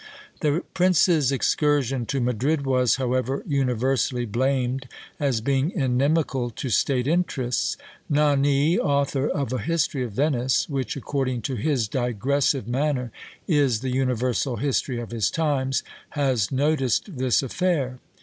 The prince's excursion to Madrid was, however, universally blamed, as being inimical to state interests. Nani, author of a history of Venice, which, according to his digressive manner, is the universal history of his times, has noticed this affair.